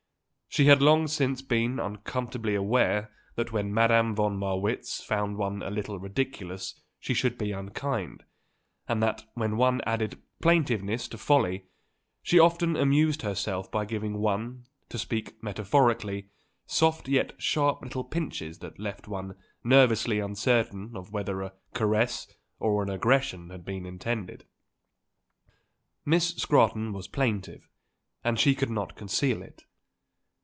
She had long since become uncomfortably aware that when Madame von Marwitz found one a little ridiculous she could be unkind, and that when one added plaintiveness to folly she often amused herself by giving one, to speak metaphorically, soft yet sharp little pinches that left one nervously uncertain of whether a caress or an aggression had been intended. Miss Scrotton was plaintive, and she could not conceal it.